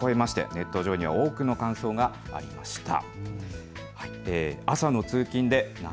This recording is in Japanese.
ネット上には多くの感想がありました。